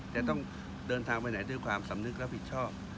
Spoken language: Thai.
จะต้องเดินทางไปไหนด้วยความสำนึกรับผิดชอบ